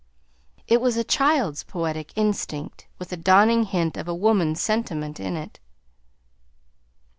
It was a child's poetic instinct with a dawning hint of woman's sentiment in it.